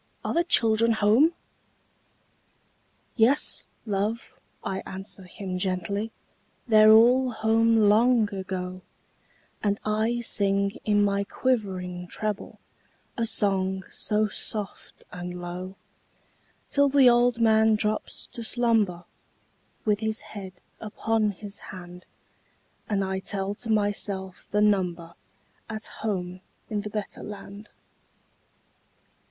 are the children home?" "Yes, love!" I answer him gently, "They're all home long ago;" And I sing, in my quivering treble, A song so soft and low, Till the old man drops to slumber, With his head upon his hand, And I tell to myself the number At home in the better land.